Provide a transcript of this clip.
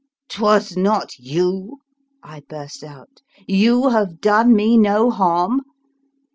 " 'Twas not you? " I burst out. " You have done me no harm?